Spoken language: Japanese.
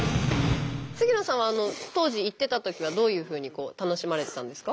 杉野さんは当時行ってたときはどういうふうに楽しまれてたんですか？